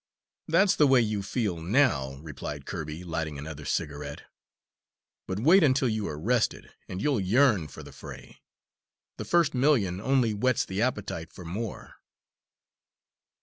"That's the way you feel now," replied Kirby, lighting another cigarette, "but wait until you are rested, and you'll yearn for the fray; the first million only whets the appetite for more."